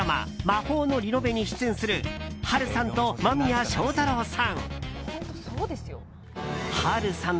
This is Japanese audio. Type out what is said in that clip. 「魔法のリノベ」に出演する波瑠さんと間宮祥太朗さん。